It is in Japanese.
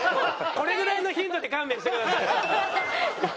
これぐらいのヒントで勘弁してください。